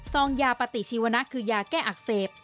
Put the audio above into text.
ยาปฏิชีวนะคือยาแก้อักเสบ